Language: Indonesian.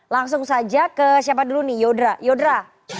langsung saja ke siapa dulu nih yodra